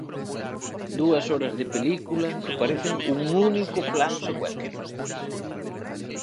Dúas horas de película que parecen un único plano secuencia.